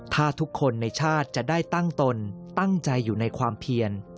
ถ้าทุกคนในชาติจะได้ตั้งตนตั้งใจอยู่ในความเพียร